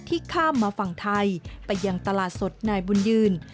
ข้ามมาฝั่งไทยไปยังตลาดสดนายบุญยืน